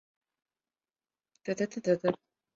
野雉尾金粉蕨为中国蕨科金粉蕨属下的一个种。